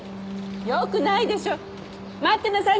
よくないでしょ待ってなさい